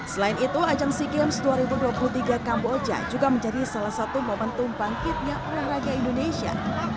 selain itu ajang sea games dua ribu dua puluh tiga kamboja juga menjadi salah satu momentum bangkitnya olahraga indonesia